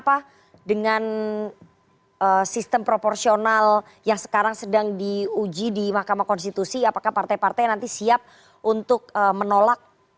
apakah dengan sistem proporsional yang sekarang sedang diuji di mahkamah konstitusi apakah partai partai nanti siap untuk menolak